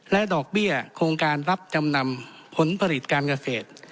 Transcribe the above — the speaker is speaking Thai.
ดอกเบี้ยโครงการรับจำนำผลผลิตการเกษตร